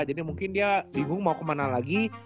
jadi mungkin dia bingung mau kemana lagi